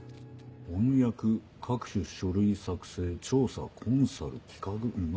「翻訳各種書類作成調査コンサル企画」。